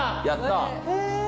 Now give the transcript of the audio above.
やったー。